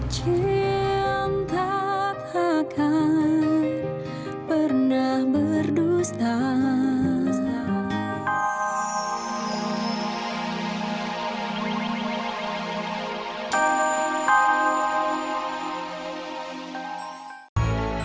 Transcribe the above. sampai jumpa di video selanjutnya